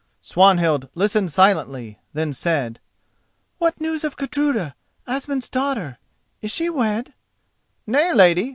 Swanhild listened silently—then said: "What news of Gudruda, Asmund's daughter? Is she wed?" "Nay, lady.